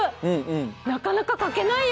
なかなか描けないよ